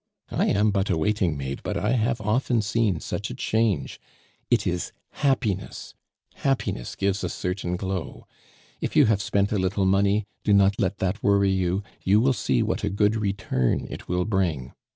I am but a waiting maid, but I have often seen such a change. It is happiness happiness gives a certain glow.... If you have spent a little money, do not let that worry you; you will see what a good return it will bring.